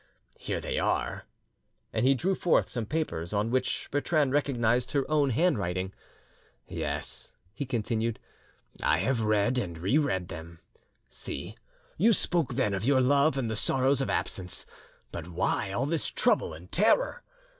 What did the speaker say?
Here they are." And he drew forth some papers, on which Bertrande recognised her own handwriting. "Yes," he continued, "I have read and—re read them.... See, you spoke then of your love and the sorrows of absence. But why all this trouble and terror?